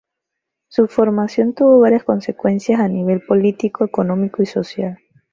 Su formación tuvo varias consecuencias a nivel político, económico y social.